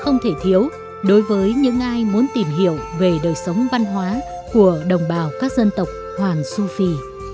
không thể thiếu đối với những ai muốn tìm hiểu về đời sống văn hóa của đồng bào các dân tộc hoàng su phi